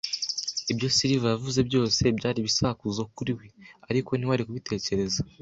Ibyo Silver yavuze byose byari ibisakuzo kuri we, ariko ntiwari kubitekereza